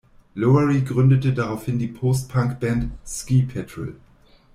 Lowery gründete daraufhin die Postpunk-Band Ski Patrol.